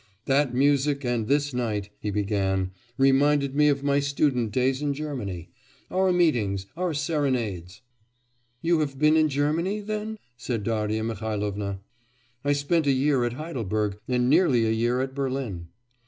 'That music and this night,' he began, 'reminded me of my student days in Germany; our meetings, our serenades.' 'You have been in Germany then?' said Darya Mihailovna. 'I spent a year at Heidelberg, and nearly a year at Berlin.